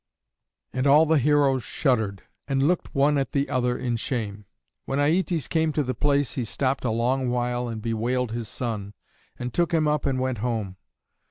And all the heroes shuddered, and looked one at the other in shame. When Aietes came to the place he stopped a long while and bewailed his son, and took him up and went home.